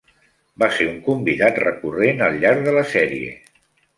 Va ser un convidat recurrent al llarg de la sèrie.